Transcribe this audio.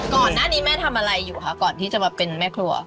ก่อนหน้านี้แม่ทำอะไรอยู่คะก่อนที่จะมาเป็นแม่ครัว